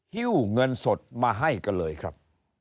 ฮิ้วเงินสดมาให้กันเลยครับ